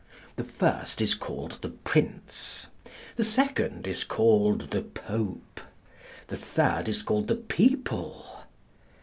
The first is called the Prince. The second is called the Pope. The third is called the People.